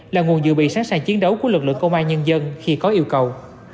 là nguồn dự bị sẵn sàng chiến đấu của lực lượng công an nhân dân khi có yêu cầu